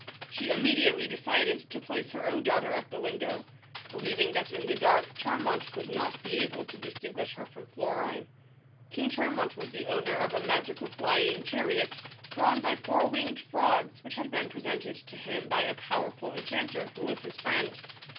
She imme diately decided to place her own daughter at the window, believing that in the dark Charmant would not be able to distinguish her from Florine. THE BLUE BIRD. King Char mant was the owner of a mag ical flying char iot, drawn by four winged frogs, which had been presented to him by a powerful enchanter who was his friend.